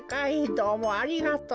どうもありがとう。